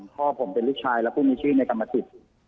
พ่อผมเป็นลูกชายและผู้มีชื่อในกรรมสิทธิ์